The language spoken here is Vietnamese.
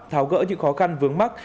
tháo gỡ những khó khăn vướng mắt